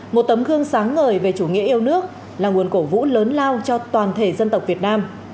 một tấm gương sáng ngời về chủ nghĩa yêu nước là nguồn cổ vũ lớn lao cho toàn thể dân tộc việt nam